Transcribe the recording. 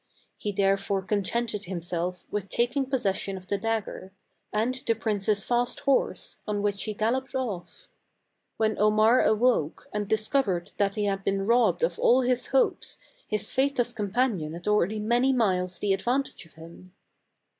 He therefore contented himself with taking possession of the dagger, and the prince's fast horse, on which he galloped off. When Omar awoke and discovered that he had been robbed of all his hopes, his faithless com panion had already many miles the advantage of him.